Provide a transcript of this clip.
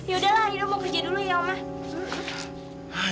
yaudah lah aida mau kerja dulu ya omah